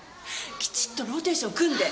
キチッとローテーション組んで。